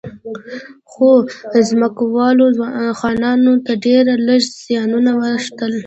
خو ځمکوالو خانانو ته ډېر لږ زیانونه واوښتل.